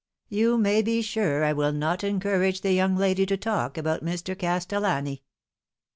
" You may be sure I will not encourage the young lady to talk about Mr. Castellani."